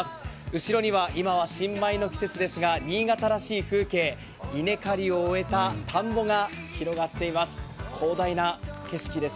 後ろには今は新米の季節ですが、新潟らしい風景、稲刈りを終えた田んぼが広がっております。